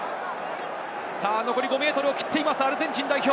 残り５ｍを切っていますアルゼンチン代表。